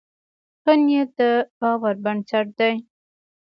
ښه نیت د باور بنسټ دی.